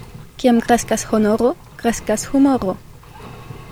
Kiam kreskas honoro, kreskas humoro.